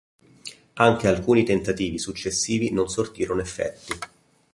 Anche alcuni tentativi successivi non sortirono effetti.